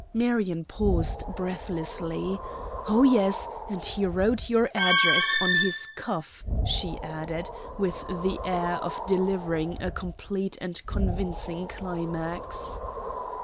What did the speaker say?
Marion paused, breathlessly. "Oh, yes, and he wrote your address on his cuff," she added, with the air of delivering a complete and convincing climax.